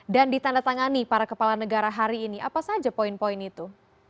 dan ditandatangani para kepala negara hari ini apa saja poin poin itu